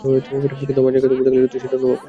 কিন্তু আমার জায়গায় তুমি থাকলে সেটা অনুভব করতে।